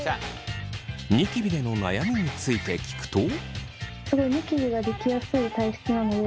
ニキビでの悩みについて聞くと。